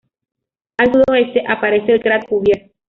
Al sudoeste aparece el cráter Cuvier.